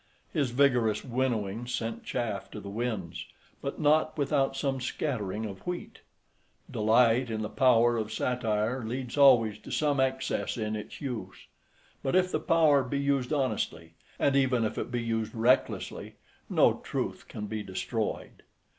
His vigorous winnowing sent chaff to the winds, but not without some scattering of wheat. Delight in the power of satire leads always to some excess in its use. But if the power be used honestly and even if it be used recklessly no truth can be destroyed.